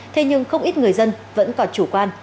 thế nhưng không ít người dân vẫn còn chủ quan